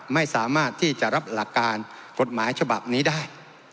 ไม่สามารถที่จะรับหลักการกฎหมายฉบับนี้ได้